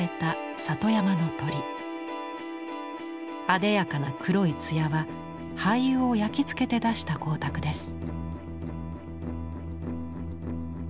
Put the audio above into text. あでやかな黒い艶は廃油を焼きつけて出した光沢です。